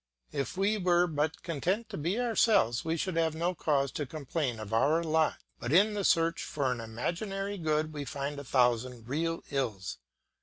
If we were but content to be ourselves we should have no cause to complain of our lot; but in the search for an imaginary good we find a thousand real ills.